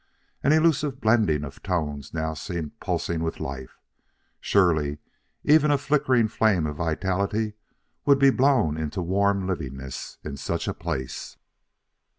An elusive blending of tones now seemed pulsing with life; surely even a flickering flame of vitality would be blown into warm livingness in such a place.